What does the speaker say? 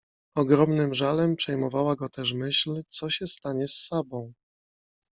Ogromnym żalem przejmowała go też myśl, co się stanie z Sabą.